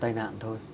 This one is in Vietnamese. tài nạn thôi